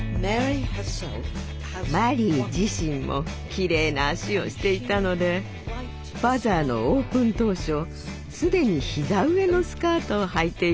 マリー自身もきれいな脚をしていたので「バザー」のオープン当初すでに膝上のスカートをはいていました。